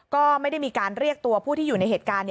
ก็ไม่ได้มีการเรียกตัวผู้ที่อยู่ในเหตุการณ์